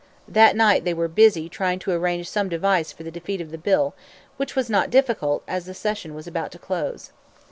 That night they were busy trying to arrange some device for the defeat of the bill which was not difficult, as the session was about to close.